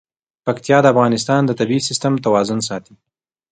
پکتیا د افغانستان د طبعي سیسټم توازن ساتي.